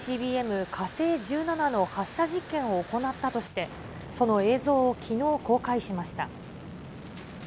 火星１７の発射実験を行ったとして、その映像をきのう公開しました。